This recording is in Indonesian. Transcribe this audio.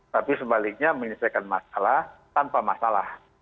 tapi sebaliknya menyelesaikan masalah tanpa masalah